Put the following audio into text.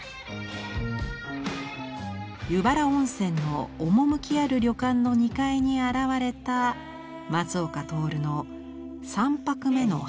湯原温泉の趣ある旅館の２階に現れた松岡徹の「３泊目のはんざきさん」。